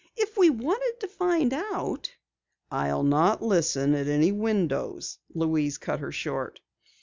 "If we wanted to find out " "I'll not listen at any window!" Louise cut her short.